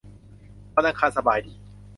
วันอังคารสบายดี